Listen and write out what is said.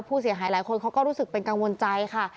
ผู้เสียหายหลายคนเขาก็รู้สึกเป็นกังวลใจค่ะ